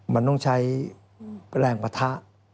มันต้องใช้แรงปะทะ